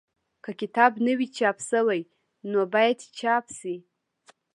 که کتاب نه وي چاپ شوی نو باید چاپ شي.